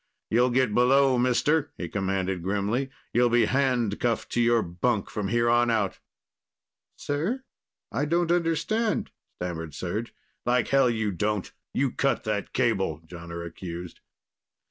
"You'll get below, mister," he commanded grimly. "You'll be handcuffed to your bunk from here on out." "Sir?... I don't understand," stammered Serj. "Like hell you don't. You cut that cable," Jonner accused.